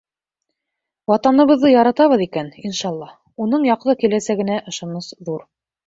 Ватаныбыҙҙы яратабыҙ икән, иншаллаһ, уның яҡты киләсәгенә ышаныс ҙур.